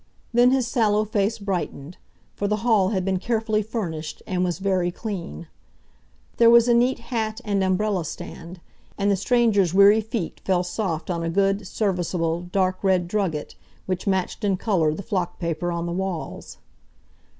Then his sallow face brightened, for the hall had been carefully furnished, and was very clean. There was a neat hat and umbrella stand, and the stranger's weary feet fell soft on a good, serviceable dark red drugget, which matched in colour the flock paper on the walls.